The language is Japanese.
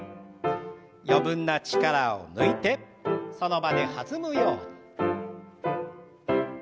余分な力を抜いてその場で弾むように。